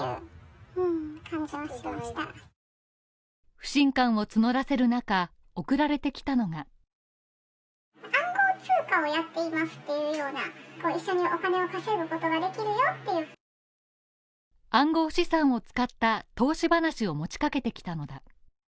不信感を募らせる中、送られてきたのが暗号資産を使った投資話を持ちかけてきたのだ。